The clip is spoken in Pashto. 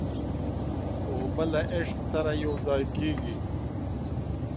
اوبه له عشق سره یوځای کېږي.